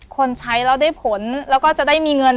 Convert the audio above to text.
คนใช้แล้วได้ผลแล้วก็จะได้มีเงิน